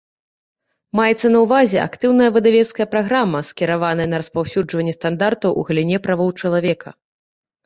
Маецца на ўвазе актыўная выдавецкая праграма, скіраваная на распаўсюджванне стандартаў у галіне правоў чалавека.